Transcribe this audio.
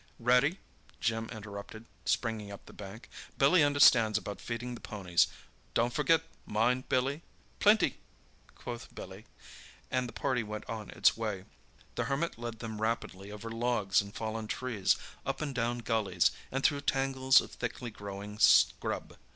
"Ready?" Jim interrupted, springing up the bank. "Billy understands about feeding the ponies. Don't forget, mind, Billy." "Plenty!" quoth Billy, and the party went on its way. The Hermit led them rapidly over logs and fallen trees, up and down gullies, and through tangles of thickly growing scrub.